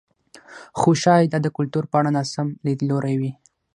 خو ښايي دا د کلتور په اړه ناسم لیدلوری وي.